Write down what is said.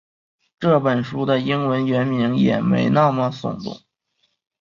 这本书的英文原名也没那么耸动